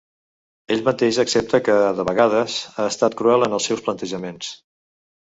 Ell mateix accepta que, de vegades, ha estat cruel en els seus plantejaments.